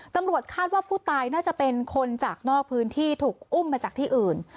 ตำรวจคาดว่าผู้ตายน่าจะเป็นคนจากนอกพื้นที่ถูกอุ้มมาจากที่อื่น